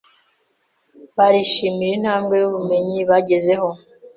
barishimira intambwe y’ubumenyi bagezeho|